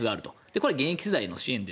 これは現役世代の支援。